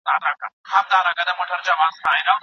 پانګوال نظام د خلګو په تاوان دی.